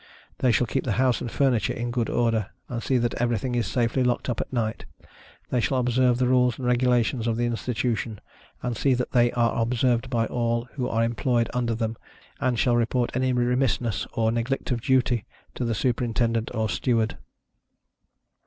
They shall keep the house and furniture in good order, and see that everything is safely locked up at night; they shall observe the rules and regulations of the Institution, and see that they are observed by all who are employed under them, and shall report any remissness, or neglect of duty, to the Superintendent or Steward.